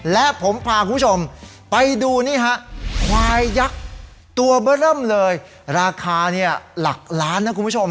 และผมพาคุณผู้ชมไปดูนี่ฮะควายยักษ์ตัวเบอร์เริ่มเลยราคาเนี่ยหลักล้านนะคุณผู้ชม